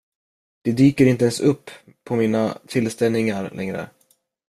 De dyker inte ens upp på mina tillställningar längre.